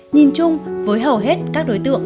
nhìn chung với hầu hết các đối tượng